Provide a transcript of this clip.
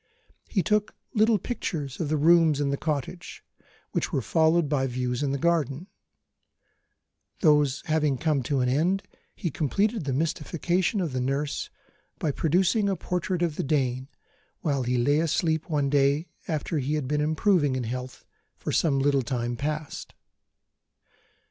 He took little pictures of the rooms in the cottage, which were followed by views in the garden. Those having come to an end, he completed the mystification of the nurse by producing a portrait of the Dane, while he lay asleep one day after he had been improving in health for some little time past.